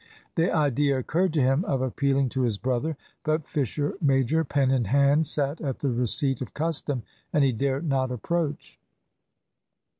The idea occurred to him of appealing to his brother. But Fisher major, pen in hand, sat at the receipt of custom, and he dare not approach).